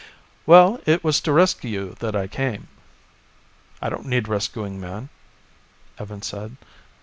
"Well, it was to rescue you that I came." "I don't need rescuing, man," Evans said.